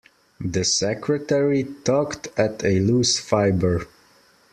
The secretary tugged at a loose fibre.